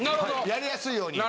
やりやすいように。